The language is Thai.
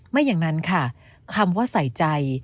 ไม่อย่างนั้นค่ะคำว่าใส่ใจ